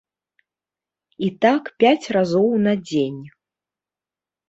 І так пяць разоў на дзень.